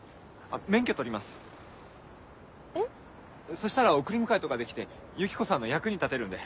そしたら送り迎えとかできてユキコさんの役に立てるんで。